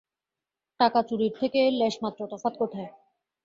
টাকা চুরির থেকে এর লেশমাত্র তফাত কোথায়?